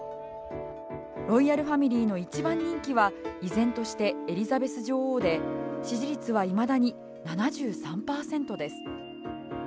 ロイヤルファミリーの一番人気は依然としてエリザベス女王で支持率はいまだに７３％です。